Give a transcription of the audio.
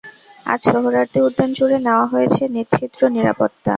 আজ সোহরাওয়ার্দী উদ্যানজুড়ে নেওয়া হয়েছে নিশ্ছিদ্র নিরাপত্তা।